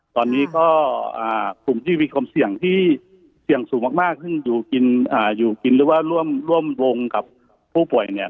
ตอนนี้ก็กลุ่มที่มีความเสี่ยงสูงมากซึ่งร่วมรวมกับผู้ป่วยเนี่ย